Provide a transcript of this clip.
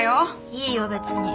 いいよ別に。